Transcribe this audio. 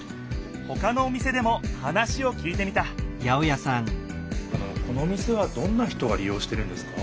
ほかのお店でも話をきいてみたあのこのお店はどんな人がり用してるんですか？